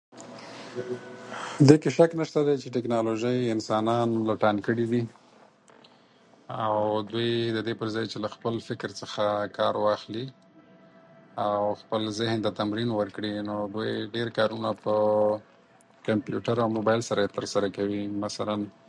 دې کې شک نشته دی چې ټکنالوژۍ انسانان لټان کړي دي، او دوی د دې پر ځای چې له خپل فکر څخه کار واخلي او خپل ذهن ته تمرین ورکړي، نو دوی ډېر کارونه په کمپیوټر او موبایل سره ترسره کوي، مثلاً